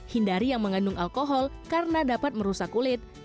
hindari yang mengandung alkohol karena dapat merusak kulit